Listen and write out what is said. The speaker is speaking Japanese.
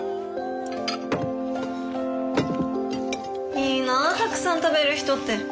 いいなたくさん食べる人って。